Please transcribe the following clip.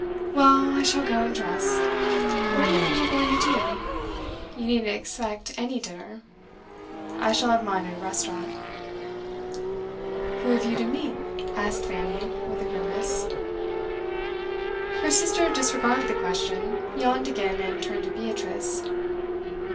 'Well, I shall go and dress. What are you people going to do? You needn't expect any dinner. I shall have mine at a restaurant.' 'Who have you to meet?' asked Fanny, with a grimace. Her sister disregarded the question, yawned again, and turned to Beatrice.